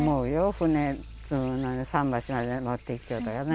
船桟橋まで持っていきよったよね